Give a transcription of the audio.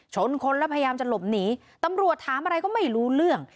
ชนคนแล้วพยายามจะหลบหนีตำรวจถามอะไรก็ไม่รู้เรื่อง